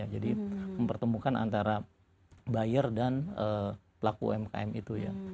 jadi mempertemukan antara buyer dan pelaku umkm itu ya